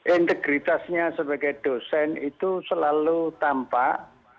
integritasnya sebagai dosen itu selalu tampak